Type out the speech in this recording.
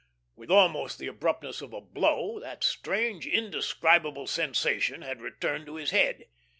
With almost the abruptness of a blow, that strange, indescribable sensation had returned to his head.